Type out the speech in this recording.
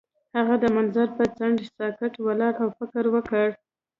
هغه د منظر پر څنډه ساکت ولاړ او فکر وکړ.